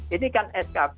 ini kan skb